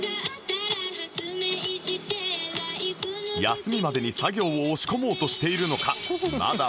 休みまでに作業を押し込もうとしているのか